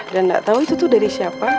dan gak tau itu dari siapa